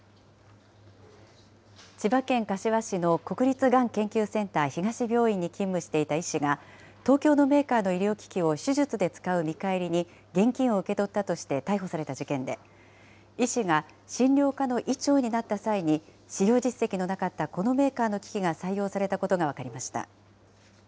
千葉県柏市の国立がん研究センター東病院に勤務していた医師が、東京のメーカーの医療機器を手術で使う見返りに、現金を受け取ったとして逮捕された事件で、医師が診療科の医長になった際に、使用実績のなかったこのメーカーの機器が採用されたことが分かりました。